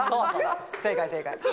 正解、正解。